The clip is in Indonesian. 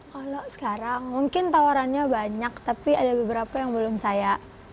kalau sekarang mungkin tawarannya banyak tapi ada beberapa yang belum saya